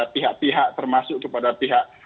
pihak pihak termasuk kepada pihak